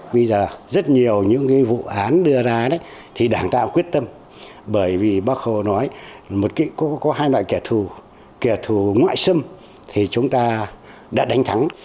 bây giờ rất nhiều những vụ án đưa ra đấy thì đảng ta quyết tâm bởi vì bác hồ nói có hai loại kẻ thù kẻ thù ngoại xâm thì chúng ta đã đánh thắng